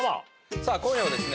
さあ今夜はですね